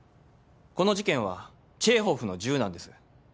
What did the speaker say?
この事件はチェーホフの銃なんです。